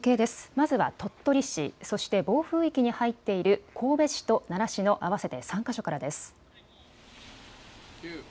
まずは鳥取市、そして暴風域に入っている神戸市と奈良市の合わせて３か所からです。